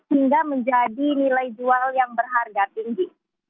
hingga menjadi nilai jual yang berharga tinggi